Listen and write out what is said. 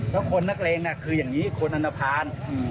เพราะคนนักเลงน่ะคืออย่างนี้คนอนภาร